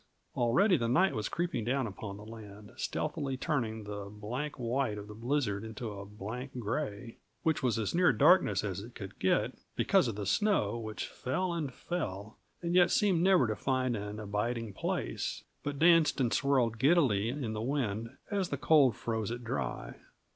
Already the night was creeping down upon the land, stealthily turning the blank white of the blizzard into as blank a gray which was as near darkness as it could get, because of the snow which fell and fell, and yet seemed never to find an abiding place, but danced and swirled giddily in the wind as the cold froze it dry.